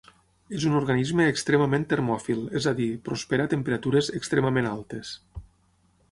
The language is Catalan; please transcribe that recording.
És un organisme extremament termòfil, és a dir, prospera a temperatures extremament altes.